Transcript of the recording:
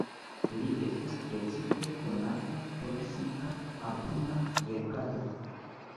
Li estas precipe konata pro sia abunda verkado.